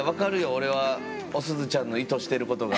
俺はおすずちゃんの意図してることが。